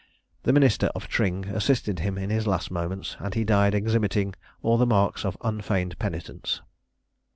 The minister of Tring assisted him in his last moments, and he died exhibiting all the marks of unfeigned penitence.